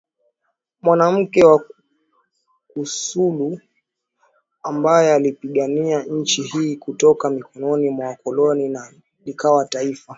mwanamke wa kasulu ambae aliipigania nchi hii kutoka mikononi mwa wakoloni na likawa Taifa